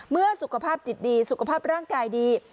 เมื่อสุขภาพจิตดีสุขภาพร่างกายดี